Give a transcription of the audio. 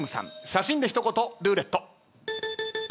写真で一言ルーレット。